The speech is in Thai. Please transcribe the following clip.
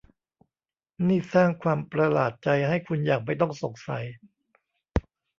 นี่สร้างความประหลาดใจให้คุณอย่างไม่ต้องสงสัย